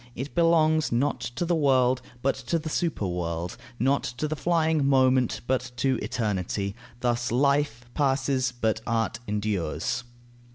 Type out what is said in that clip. It belongs not to the world, but to the superworld; not to the flying moment, but to eternity. Thus life passes, but art endures.